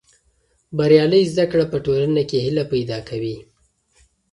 بریالۍ زده کړه په ټولنه کې هیله پیدا کوي.